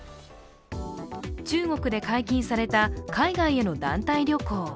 中国で解禁された海外への団体旅行。